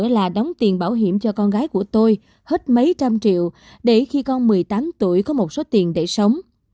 đây là đóng tiền bảo hiểm cho con gái của tôi hết mấy trăm triệu để khi con một mươi tám tuổi có một số tiền để sống